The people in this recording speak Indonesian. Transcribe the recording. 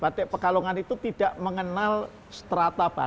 batik pekalongan itu tidak mengenal strata batik